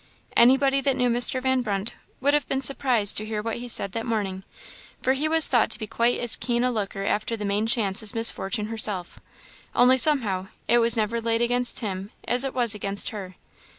Anybody that knew Mr. Van Brunt would have been surprised to hear what he said that morning; for he was thought to be quite as keen a looker after the main chance as Miss Fortune herself, only somehow it was never laid against him as it was against her.